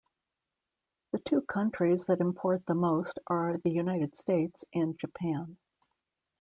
The two countries that import the most are the United States and Japan.